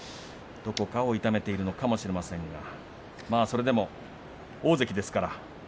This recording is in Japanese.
どこかを痛めているのかもしれませんがそれでも大関ですから。